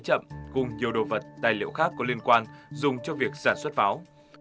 các đối tượng đã thiết kế chậm cùng nhiều đồ vật tài liệu khác có liên quan dùng cho việc sản xuất pháo